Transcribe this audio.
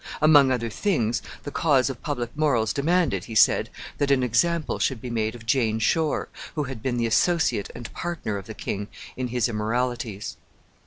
Among other things, the cause of public morals demanded, he said, that an example should be made of Jane Shore, who had been the associate and partner of the king in his immoralities.